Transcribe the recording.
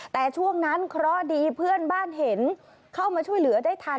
แต่ช่วงนั้นเคราะห์ดีเพื่อนบ้านเห็นเข้ามาช่วยเหลือได้ทัน